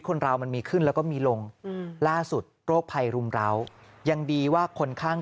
คนเรามันมีขึ้นแล้วก็มีลงล่าสุดโรคภัยรุมร้าวยังดีว่าคนข้าง